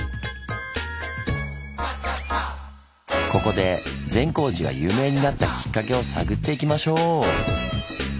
ここで善光寺が有名になったきっかけを探っていきましょう！